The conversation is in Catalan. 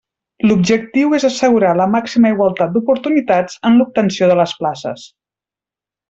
L'objectiu és assegurar la màxima igualtat d'oportunitats en l'obtenció de les places.